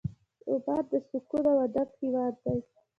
عمان د سکون او ادب هېواد دی.